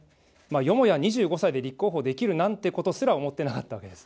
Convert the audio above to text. よもや２５歳で立候補できるなんてことすら思ってなかったわけです。